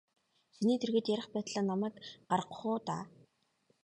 Чиний дэргэд ярих байтлаа намайг гаргах уу даа.